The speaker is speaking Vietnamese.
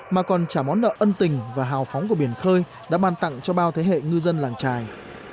mà còn trả món nợ ân tình và hào phóng của biển khơi đã ban tặng cho bao thế hệ ngư dân làng trài